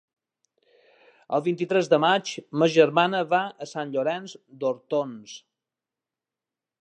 El vint-i-tres de maig ma germana va a Sant Llorenç d'Hortons.